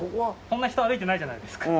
そんな人歩いてないじゃないですか。